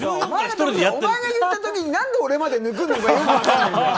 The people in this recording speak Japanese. お前が言った時に何で俺まで抜くんだよ。